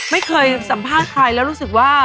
ไม่เคยสัมภาษณ์ใครแล้วรู้สึกว่า